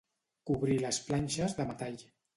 Cobrir de planxes de metall.